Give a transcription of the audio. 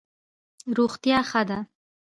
روغتیا ښه ده.